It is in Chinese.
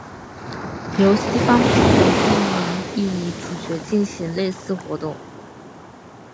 而西方不少电影亦以主角进行类似活动。